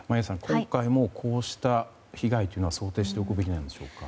今回もこうした被害というのは想定しておくべきなんでしょうか。